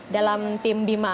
dalam tim bima